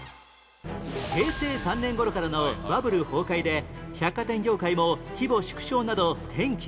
平成３年頃からのバブル崩壊で百貨店業界も規模縮小など転機が